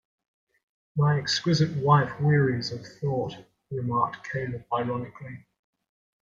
"My exquisite wife wearies of thought," remarked Caleb ironically.